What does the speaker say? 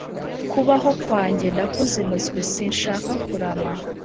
kubaho kwanjye ndakuzinutswe sinshaka kurama